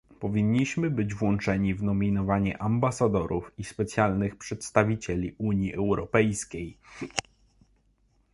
Powinniśmy być włączeni w nominowanie ambasadorów i specjalnych przedstawicieli Unii Europejskiej